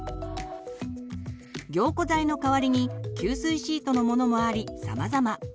凝固剤の代わりに吸水シートのものもありさまざま。